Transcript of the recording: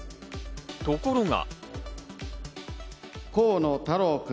ところが。